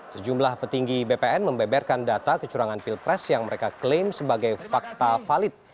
sejumlah petinggi bpn membeberkan data kecurangan pilpres yang mereka klaim sebagai fakta valid